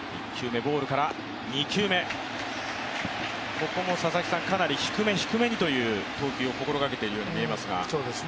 ここもかなり低め低めにという投球を心がけているように見えますが。